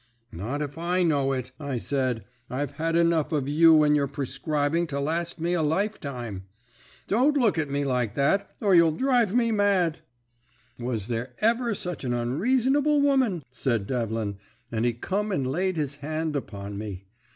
"'Not if I know it,' I said. 'I've had enough of you and your prescribing to last me a lifetime. Don't look at me like that, or you'll drive me mad!' "'Was there ever sech an unreasonable woman?' said Devlin, and he come and laid his hand upon me.